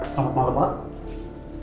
selamat malam pak